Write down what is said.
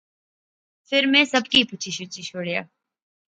فیر میں سب کی پچھی شچھی شوڑیا